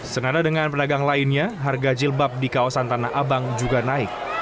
senada dengan pedagang lainnya harga jilbab di kawasan tanah abang juga naik